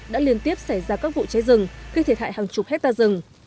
đã liên tiếp xảy ra các vụ cháy rừng khi thiệt hại hàng chục hectare rừng